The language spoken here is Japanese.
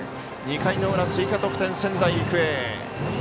２回の裏、追加得点、仙台育英。